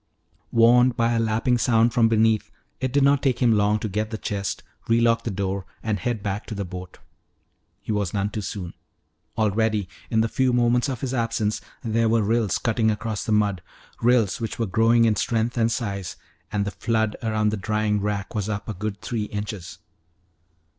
Warned by a lapping sound from beneath, it did not take him long to get the chest, relock the door, and head back to the boat. He was none too soon. Already, in the few moments of his absence, there were rills cutting across the mud, rills which were growing in strength and size. And the flood around the drying rack was up a good three inches.